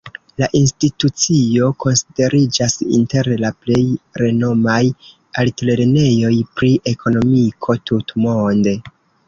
La institucio konsideriĝas inter la plej renomaj altlernejoj pri ekonomiko tutmonde.